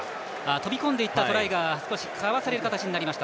飛び込んでいったトライがかわされる形になりました。